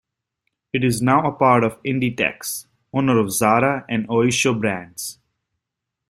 It is now a part of Inditex, owner of Zara and Oysho brands.